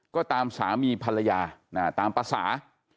ก็ตามสามีภรรยาตามภาษา